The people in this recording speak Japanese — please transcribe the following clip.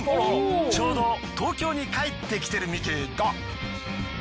ちょうど東京に帰ってきてるみてぇだ。